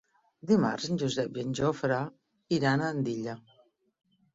Dimarts en Josep i en Jofre iran a Andilla.